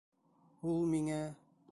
Ул миңә...